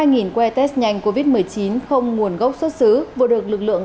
hai que test nhanh covid một mươi chín không nguồn gốc xuất xứ vừa được lực lượng